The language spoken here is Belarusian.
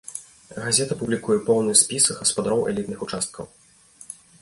Газета публікуе поўны спіс гаспадароў элітных участкаў.